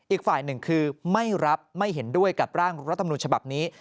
อีกฝ่ายหนึ่งคือไม่รับไม่เห็นด้วยกับร่างรัฐมนุนฉบับนี้